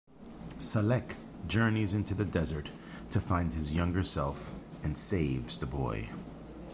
"Selek" journeys into the desert to find his younger self, and saves the boy.